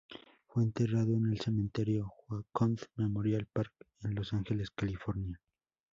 Fue enterrado en el Cementerio Oakwood Memorial Park en Los Ángeles, California.